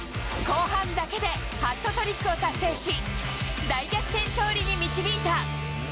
後半だけでハットトリックを達成し、大逆転勝利に導いた。